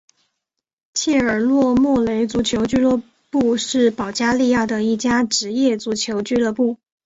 切尔诺莫雷足球俱乐部是保加利亚的一家职业足球俱乐部。